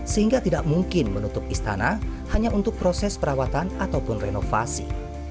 sehingga tidak mungkin menutup istana hanya untuk proses perawatan ataupun renovasi